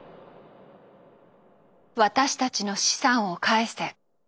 「私たちの資産を返せ」。